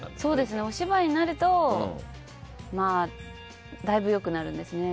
お芝居になるとだいぶ良くなるんですね。